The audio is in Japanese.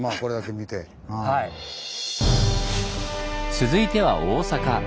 続いては大阪。